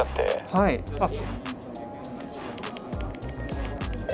はいあっ。